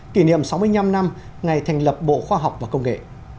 kỷ niệm sáu mươi năm năm ngày thành lập bộ khoa học và công nghệ